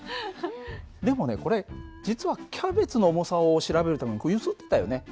でもねこれ実はキャベツの重さを調べるためにこう揺すってたよね